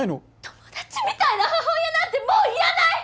友達みたいな母親なんてもういらない！